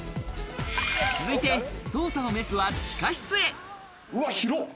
続いて捜査のメスは地下室へ。